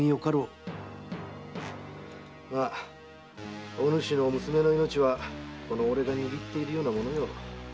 だがお主の娘の命はこの俺が握っているようなものよ。